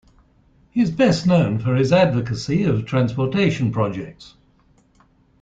He is best known for his advocacy of transportation projects.